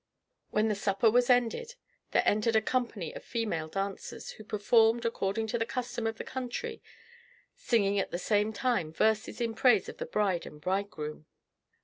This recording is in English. When the supper was ended, there entered a company of female dancers, who performed, according to the custom of the country, singing at the same time verses in praise of the bride and bridegroom.